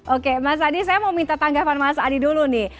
oke mas adi saya mau minta tanggapan mas adi dulu nih